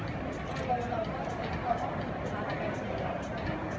มันเป็นสิ่งที่จะให้ทุกคนรู้สึกว่า